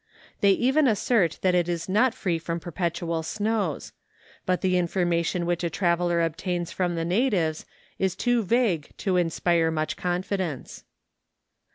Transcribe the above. They even assert that it is not free from perpetual snows; but the information which a traveller obtains from the natives is too vague to inspire much con¬ fidence.